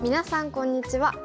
こんにちは。